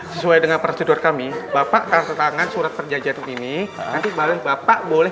sesuai dengan prosedur kami bapak kata tangan surat perjanjian ini nanti balik bapak boleh